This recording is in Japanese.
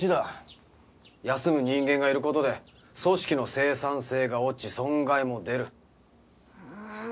休む人間がいる事で組織の生産性が落ち損害も出る。